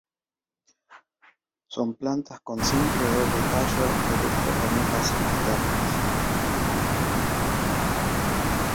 Son plantas con simple o doble tallo erecto con hojas alternas.